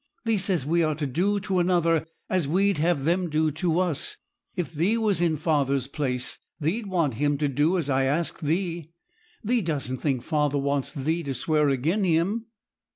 Thee says we are to do to another as we'd have them do to us. If thee was in father's place, thee'd want him to do as I ask thee. Thee doesn't think father wants thee to swear agen him?'